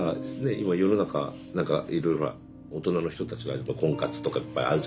今世の中何かいろいろ大人の人たちがやっぱ婚活とかいっぱいあるじゃないですか。